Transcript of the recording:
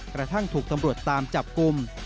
กระทั่งถูกตำรวจตามจับกลุ่ม